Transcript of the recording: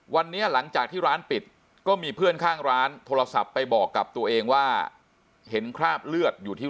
วันนี้หลังจากที่ร้านปิดก็มีเพื่อนข้างร้านโทรศัพท์ไปบอกกับตัวเองว่าเห็นคราบเลือดอยู่ที่